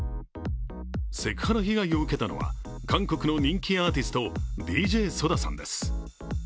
セクハラ被害を受けたのは韓国の人気アーティスト、ＤＪＳＯＤＡさんです。